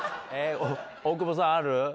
大久保さんある？